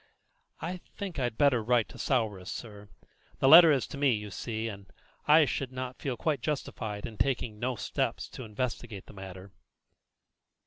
"I think I'd better write to Souris, sir; the letter is to me, you see, and I should not feel quite justified in taking no steps to investigate the matter."